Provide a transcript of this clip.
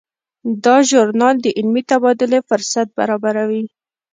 دا ژورنال د علمي تبادلې فرصت برابروي.